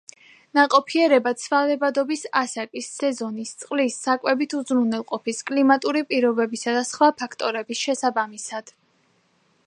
ნაყოფიერება ცვალებადობს ასაკის, სეზონის, წლის, საკვებით უზრუნველყოფის, კლიმატური პირობებისა და სხვა ფაქტორების შესაბამისად.